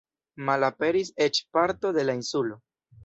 Malaperis eĉ parto de la insulo.